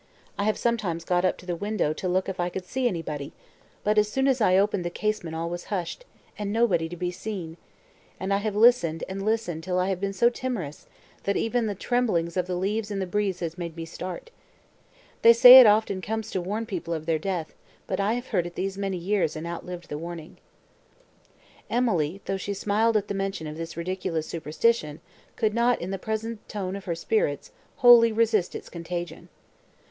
I have sometimes got up to the window to look if I could see anybody, but as soon as I opened the casement all was hushed, and nobody to be seen; and I have listened, and listened till I have been so timorous, that even the trembling of the leaves in the breeze has made me start. They say it often comes to warn people of their death, but I have heard it these many years, and outlived the warning." Emily, though she smiled at the mention of this ridiculous superstition, could not, in the present tone of her spirits, wholly resist its contagion.